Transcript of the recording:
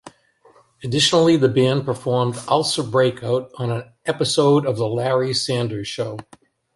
Additionally, the band performed "Ulcer Breakout" on an episode of "The Larry Sanders Show".